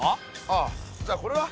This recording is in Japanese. あじゃあこれは？